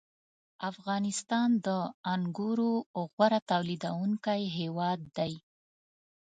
• افغانستان د انګورو غوره تولیدوونکی هېواد دی.